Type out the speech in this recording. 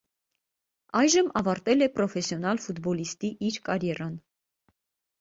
Այժմ ավարտել է պրոֆեսիոնալ ֆուտբոլիստի իր կարիերան։